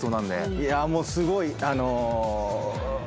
いやもうすごいあの。